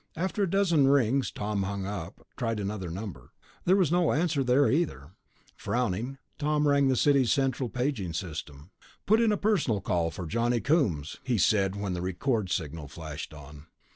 After a dozen rings, Tom hung up, tried another number. There was no answer there, either. Frowning, Tom rang the city's central paging system. "Put in a personal call for Johnny Coombs," he said when the "record" signal flashed on.